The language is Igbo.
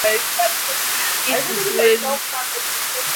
Ịtụ swelụ